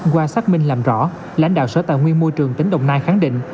qua xác minh làm rõ lãnh đạo sở tài nguyên môi trường tỉnh đồng nai khẳng định